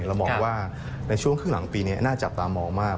เรามองว่าในช่วงครึ่งหลังปีนี้น่าจับตามองมาก